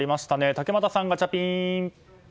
竹俣さん、ガチャピン。